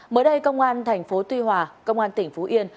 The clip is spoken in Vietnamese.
mới đây công an tp tuy hòa công an tỉnh phú yên